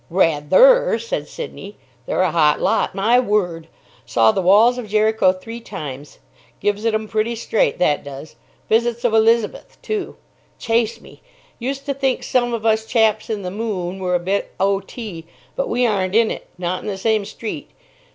"Rath_er_" said Sidney. "They're a hot lot. My word! Saw The Walls of Jericho three times. Gives it 'em pretty straight, that does. Visits of Elizabeth, too. Chase me! Used to think some of us chaps in the 'Moon' were a bit O.T., but we aren't in it—not in the same street.